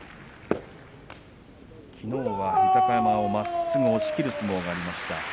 きのうは豊山をまっすぐ押しきる相撲がありました。